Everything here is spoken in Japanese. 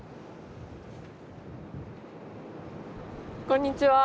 こんにちは。